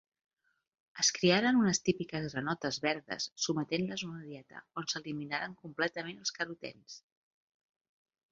Es criaren unes típiques granotes verdes sotmetent-les a una dieta on s'eliminaren completament els carotens.